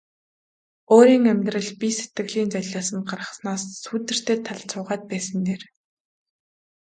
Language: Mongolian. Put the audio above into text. Өөрийн амьдрал бие сэтгэлээ золиосонд гаргаснаас сүүдэртэй талд суугаад байсан нь дээр.